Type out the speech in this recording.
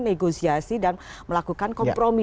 negosiasi dan melakukan kompromi